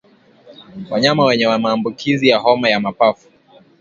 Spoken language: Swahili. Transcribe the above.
Wanyama wenye maambukizi ya homa ya mapafu